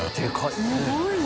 すごいな。